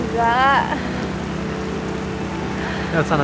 tidak ada yang bisa mencoba